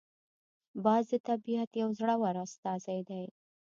باز د طبیعت یو زړور استازی دی